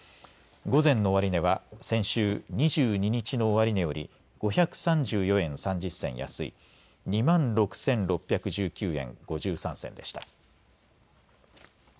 午前の終値は先週２２日の終値より５３４円３０銭安い２万６６１９円５３銭でした。